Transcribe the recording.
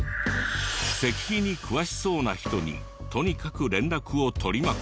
石碑に詳しそうな人にとにかく連絡を取りまくった。